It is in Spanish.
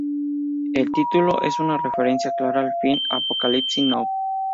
El título es una referencia clara al film "Apocalypse Now".